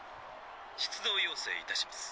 「出動要請いたします。